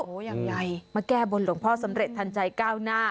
ยังไงมาแก้บนหลวงพ่อสำเร็จทันใจก้าวหน้า